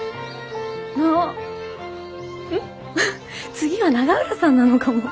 次は永浦さんなのかも。